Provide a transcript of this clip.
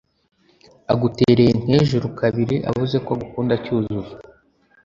agutereye nk'ejuru kabiri avuze ko agukunda cyuzuzo